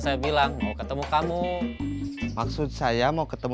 saya bilang mau ketemu kamu maksud saya mau ketemu